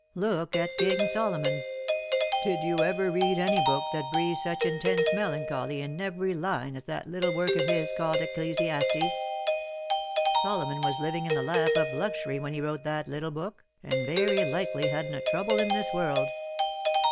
Look at King Solomon — did you ever read any book that breathes such intense melancholy in every line as that little work of his called Ecclesiastes. Solomon was living in the lap of luxury when he wrote that little book, and very likely hadn^t a trouble in this world.